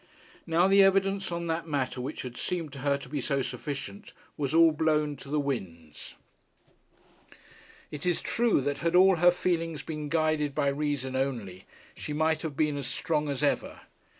Now the evidence on that matter which had seemed to her to be so sufficient was all blown to the winds. It is true that had all her feelings been guided by reason only, she might have been as strong as ever.